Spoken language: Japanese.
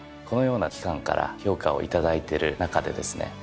このような機関から評価を頂いてる中でですね